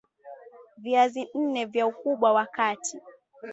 Viazi nne vya ukubwa wa kati